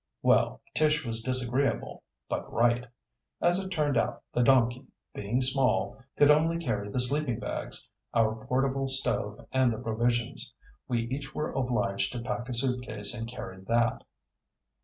Well, Tish was disagreeable, but right. As it turned out the donkey, being small, could only carry the sleeping bags, our portable stove and the provisions. We each were obliged to pack a suitcase and carry that.